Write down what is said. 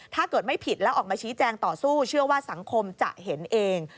ถ้าเกิดไม่ผิดแล้วออกมาชี้แจงต่อสู้เชื่อว่าสังคมจะเห็นเอง